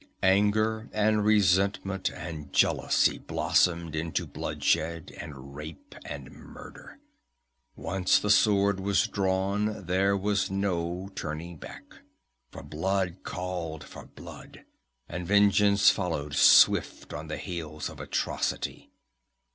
"Anger and resentment and jealousy blossomed into bloodshed and rape and murder. Once the sword was drawn there was no turning back; for blood called for blood, and vengeance followed swift on the heels of atrocity.